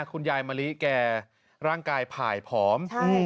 คุณยายมะลิแกร่างกายผ่ายผอม